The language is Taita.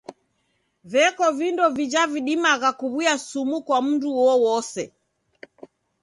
Veko vindo vija vidimagha kuw'uya sumu kwa mndu uowose.